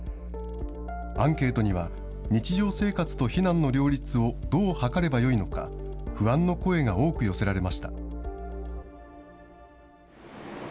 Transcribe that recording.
アンケートには、日常生活と避難の両立をどう図ればよいのか、不安の声が多く寄せられました。